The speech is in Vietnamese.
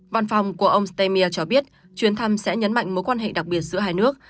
văn phòng của ông stemir cho biết chuyến thăm sẽ nhấn mạnh mối quan hệ đặc biệt giữa hai nước